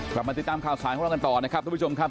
กลับมาติดตามข่าวสารของเรากันต่อนะครับทุกผู้ชมครับ